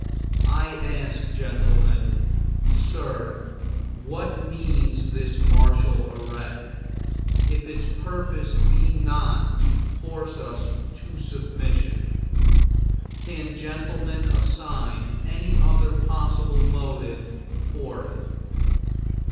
I ask gentlemen, sir, what means this martial array, if its purpose be not to force us to submission? Can gentlemen assign any other possible motive for it?